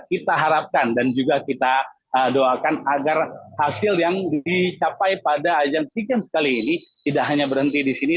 kita harapkan dan juga kita doakan agar hasil yang dicapai pada ajang sea games kali ini tidak hanya berhenti di sini